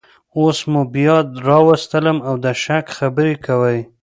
اوس مو بیا راوستلم او د شک خبرې کوئ